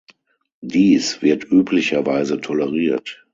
Dies wird üblicherweise toleriert.